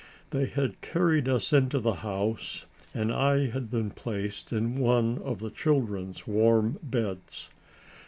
They had carried us into the house and I had been placed in one of the children's warm beds.